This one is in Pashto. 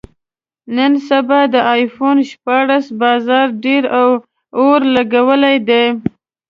نن سبا د ایفون شپاړس بازار ډېر اور لګولی دی.